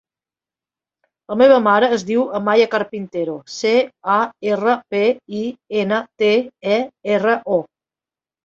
La meva mare es diu Amaya Carpintero: ce, a, erra, pe, i, ena, te, e, erra, o.